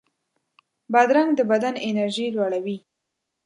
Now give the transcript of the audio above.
بادرنګ د بدن انرژي لوړوي.